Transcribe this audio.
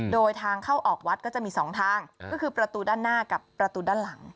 โดยทางเข้าออกวัดก็จะมี๒ทางก็คือประตูด้านหน้ากับประตูด้านหลัง